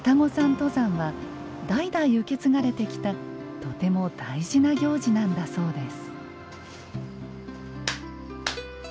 登山は代々受け継がれてきたとても大事な行事なんだそうです。